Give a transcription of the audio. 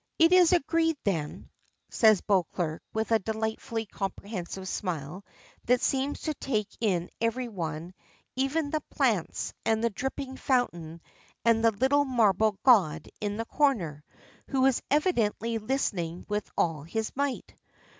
"It is agreed, then," says Beauclerk, with a delightfully comprehensive smile that seems to take in every one, even the plants and the dripping fountain and the little marble god in the corner, who is evidently listening with all his might.